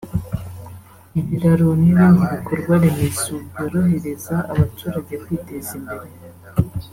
ibiraro n’ibindi bikorwa remezo byorohereza abaturage kwiteza imbere